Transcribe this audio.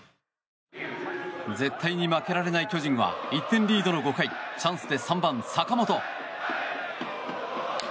絶対に負けられない巨人は１点リードの５回チャンスで３番、坂本。